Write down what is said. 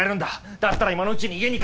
だったら今のうちに家に帰って。